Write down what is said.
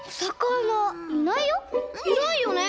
いないよね？